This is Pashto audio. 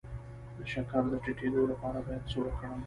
د شکر د ټیټیدو لپاره باید څه وکړم؟